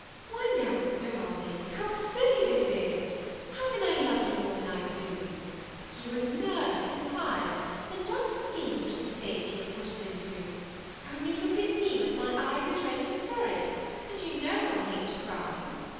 " Why now, darling, how silly this is ! how can I love you more than I do ? You are nervous and tired, and just, see what a state you have put us into : only look at me, with my eyes as red as ferrets, and you know how I hate to cry.